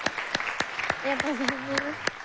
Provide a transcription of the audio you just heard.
ありがとうございます。